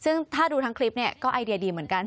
ซึ่งถ้าดูทั้งคลิปเนี่ยก็ไอเดียดีเหมือนกัน